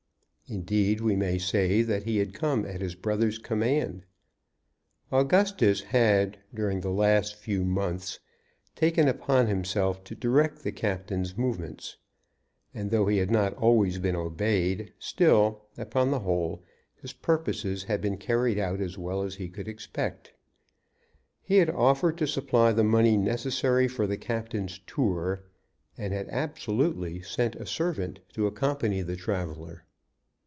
Indeed, we may say that he had come at his brother's command. Augustus had during the last few months taken upon himself to direct the captain's movements; and though he had not always been obeyed, still, upon the whole, his purposes had been carried out as well as he could expect. He had offered to supply the money necessary for the captain's tour, and had absolutely sent a servant to accompany the traveller.